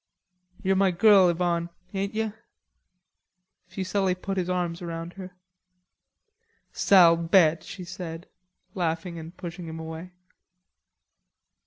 "You're my girl, Yvonne; ain't yer?" Fuselli put his arms round her. "Sale bete," she said, laughing and pushing him away.